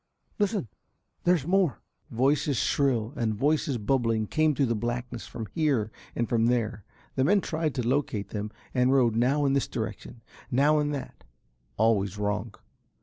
Listen, there's more." Voices shrill and voices bubbling came through the blackness from here and from there. The men tried to locate them and rowed now in this direction, now in that always wrong.